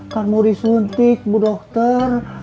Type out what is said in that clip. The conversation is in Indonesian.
kan mau disentik bu dokter